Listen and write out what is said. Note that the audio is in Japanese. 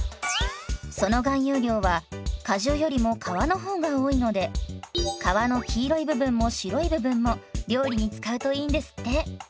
その含有量は果汁よりも皮の方が多いので皮の黄色い部分も白い部分も料理に使うといいんですって。